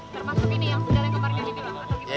termasuk ini yang sudah dikemarin